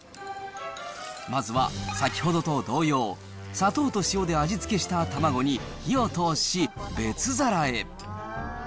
まずは、先ほどと同様、砂糖と塩で味付けした卵に火を通し、別皿へ。